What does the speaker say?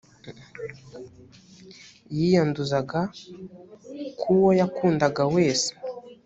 yiyanduzaga ku uwo yakundaga wese